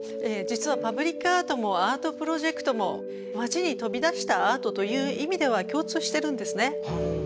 実はパブリックアートもアートプロジェクトも街に飛び出したアートという意味では共通してるんですね。